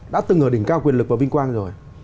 đã từng ở đỉnh cao quyền lực và vinh quang rồi